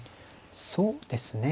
そうですね。